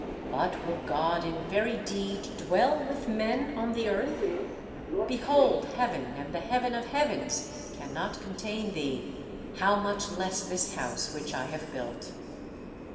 _But will God in very deed dwell with men on the earth? behold heaven and the heaven of heavens cannot contain thee, how much less this house which I have built?